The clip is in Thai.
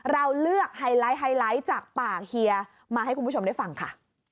เราเลือกไฮไลท์ไฮไลท์จากปากเฮียมาให้คุณผู้ชมได้ฟังค่ะ